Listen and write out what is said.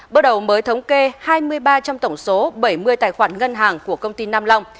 bước đầu mới thống kê hai mươi ba trong tổng số bảy mươi tài khoản ngân hàng của công ty nam long